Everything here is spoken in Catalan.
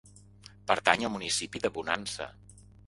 Pertany al municipi de Bonansa.